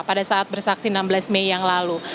pada saat bersaksi enam belas mei yang lalu